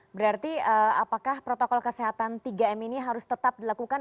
berarti apakah protokol kesehatan tiga m ini harus tetap dilakukan